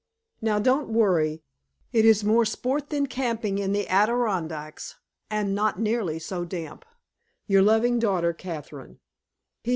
Now, don't worry. It is more sport than camping in the Adirondacks, and not nearly so damp. Your loving daughter, Katherine.